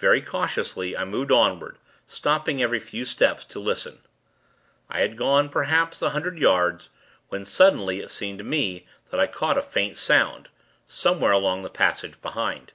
Very cautiously, I moved onward, stopping, every few steps, to listen. I had gone, perhaps, a hundred yards, when, suddenly, it seemed to me that I caught a faint sound, somewhere along the passage behind.